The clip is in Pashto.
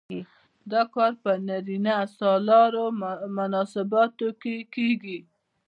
دا کار په نارینه سالارو مناسباتو کې کیږي.